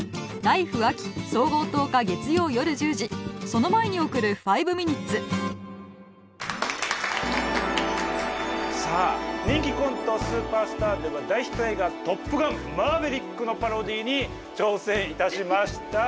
その前に送る「５ミニッツ」さあ人気コント「スーパースター」では大ヒット映画「トップガンマーヴェリック」のパロディーに挑戦いたしました。